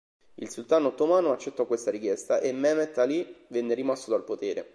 Il sultano ottomano accettò questa richiesta e Mehmet Ali venne rimosso dal potere.